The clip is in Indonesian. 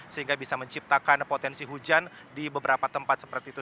sehingga bisa menciptakan potensi hujan di beberapa tempat seperti itu